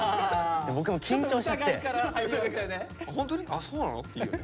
あそうなの？」って言うよね。